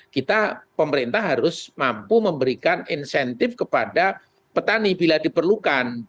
kita pemerintah harus mampu memberikan insentif kepada petani bila diperlukan